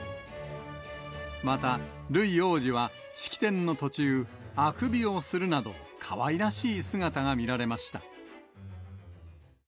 また、ルイ王子は式典の途中、あくびをするなど、かわいらしい姿が見られました。